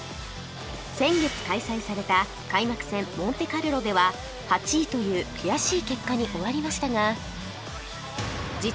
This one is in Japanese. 先月開催された開幕戦モンテカルロでは８位という悔しい結果に終わりましたが